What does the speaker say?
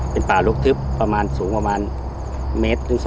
เป็นป่าลุกทึบสูงประมาณ๑๒เมตร